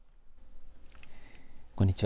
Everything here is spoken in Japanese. こんにちは。